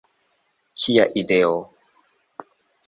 Kia ideo!